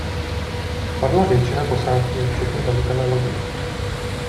Padla většina posádky včetně velitele lodi.